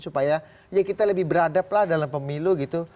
supaya ya kita lebih beradablah dalam pemilu gitu